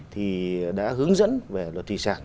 thì đã hướng dẫn về luật thủy sản